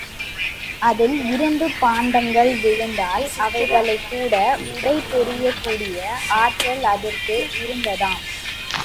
அதில் இரும்புப் பாண்டங்கள் விழுந்தால் அவைகளைக்கூட உடைத்தெறியக் கூடிய ஆற்றல் அதற்கு இருந்ததாம்.